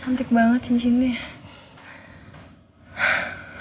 cantik banget cincinnya